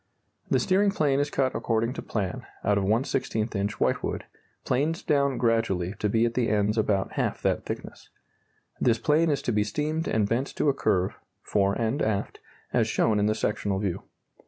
The steering plane is cut according to plan, out of 1/16 inch whitewood, planed down gradually to be at the ends about half that thickness. This plane is to be steamed and bent to a curve (fore and aft) as shown in the sectional view.